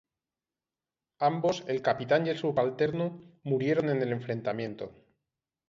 Ambos el capitán y el subalterno murieron en el enfrentamiento.